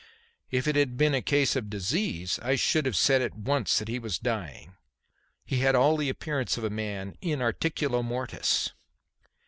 If it had been a case of disease, I should have said at once that he was dying. He had all the appearance of a man in articulo mortis.